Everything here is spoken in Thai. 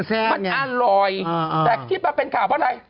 แต่ที่เป็นขาวเพราะอะไร